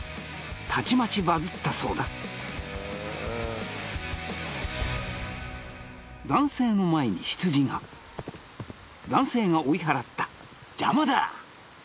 たちまちバズったそうだ男性の前に羊が男性が追い払った「邪魔だ」